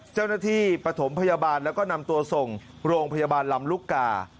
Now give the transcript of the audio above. เจ้าหน้าที่ประถมพยาบาลแล้วก็นำตัวส่งโรงพยาบาลลำลุกก่า